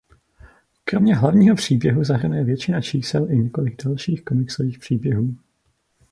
Kromě hlavního příběhu zahrnuje většina čísel i několik dalších komiksových příběhů.